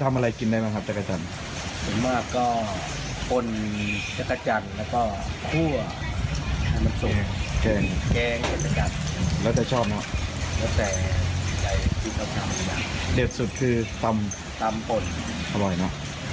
หัวให้มันสุขเกรงแก๊งสัตว์กันแล้วแต่ชอบเนอะเด็ดสุดคือตำตำป่นอร่อยเนอะ